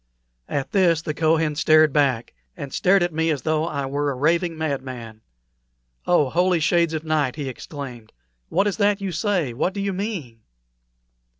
At this the Kohen started back, and stared at me as though I were a raving madman. "Oh, holy shades of night!" he exclaimed. "What is that you say? What do you mean?"